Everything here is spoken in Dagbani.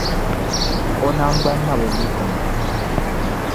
O naŋgbani na bi lu tiŋa.